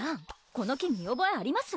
この木見おぼえあります？